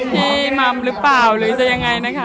ที่มัมหรือเปล่าหรือจะยังไงนะคะ